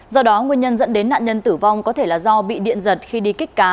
do đó nguyên nhân dẫn đến nạn nhân tử vong có thể là do bị điện giật khi đi kích cá